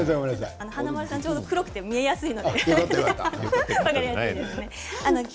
華丸さんは服が黒くて見やすいので。